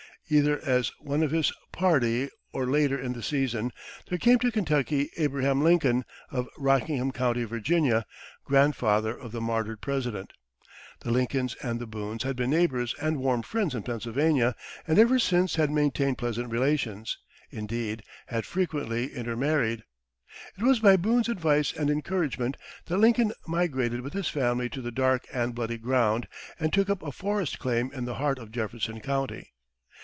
Either as one of his party, or later in the season, there came to Kentucky Abraham Lincoln, of Rockingham County, Va., grandfather of the martyred president. The Lincolns and the Boones had been neighbors and warm friends in Pennsylvania, and ever since had maintained pleasant relations indeed, had frequently intermarried. It was by Boone's advice and encouragement that Lincoln migrated with his family to the "dark and bloody ground" and took up a forest claim in the heart of Jefferson County.